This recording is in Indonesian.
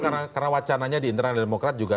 karena wacananya di internal demokrat juga